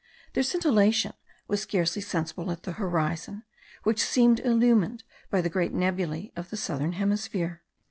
Their scintillation was scarcely sensible at the horizon, which seemed illumined by the great nebulae of the southern hemisphere.